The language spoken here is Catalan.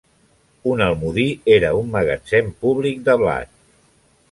Un almodí era un magatzem públic de blat.